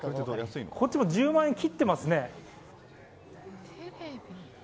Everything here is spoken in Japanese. こっちも１０万円切ってますね。